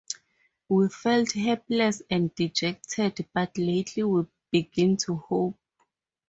We felt helpless and dejected but lately we begin to hope.